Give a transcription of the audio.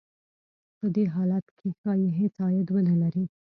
په دې حالت کې ښايي هېڅ عاید ونه لري